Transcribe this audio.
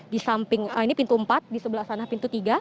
di samping ini pintu empat di sebelah sana pintu tiga